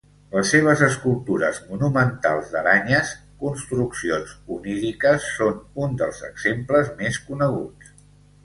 Les seves escultures monumentals d'aranyes, construccions oníriques, són un dels exemples més coneguts.